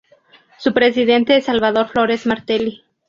Su presidente es Salvador Flores Martelli.